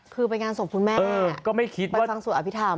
คือไปงานศพคุณแม่ไปฟังสวดอภิษฐรรม